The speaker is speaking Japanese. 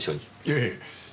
ええ。